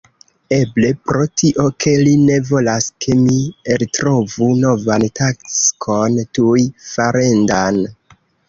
Eble, pro tio ke li ne volas ke mi eltrovu novan taskon tuj farendan.